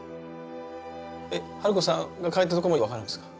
春子さんが描いたところも分かるんですか？